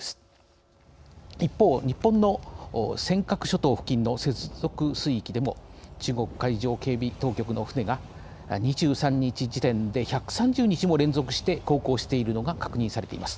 一方日本の尖閣諸島付近の接続水域でも中国海上警備当局の船が２３日時点で１３０日も連続して航行しているのが確認されています。